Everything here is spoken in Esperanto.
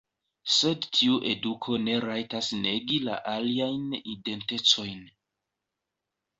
Sed tiu eduko ne rajtas negi la aliajn identecojn.